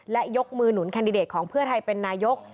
และยกมือหนุนแคนดิเดตของเพื่อไทยเป็นนายก